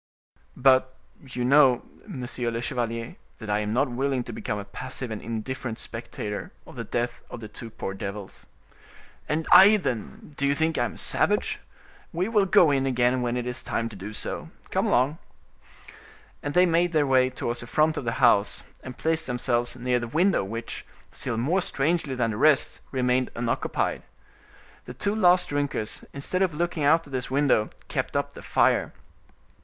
"But you know, monsieur le chevalier, that I am not willing to become a passive and indifferent spectator of the death of the two poor devils." "And I, then—do you think I am a savage? We will go in again, when it is time to do so. Come along!" And they made their way towards the front of the house, and placed themselves near the window which, still more strangely than the rest, remained unoccupied. The two last drinkers, instead of looking out at this window, kept up the fire.